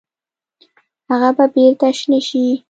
هغه به بیرته شنه شي؟